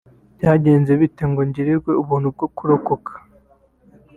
byagenze bite ngo ngirirwe ubuntu bwo kurokoka